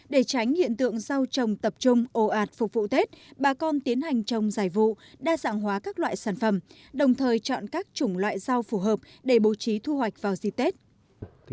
để tránh hiện tượng rau trồng tập trung ồ ạt phục vụ tết bà con tiến hành trồng giải vụ đa dạng hóa các loại sản phẩm đồng thời chọn các chủng loại rau phù hợp để bố trí thu hoạch vào dịp tết